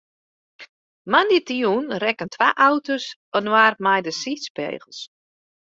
Moandeitejûn rekken twa auto's inoar mei de sydspegels.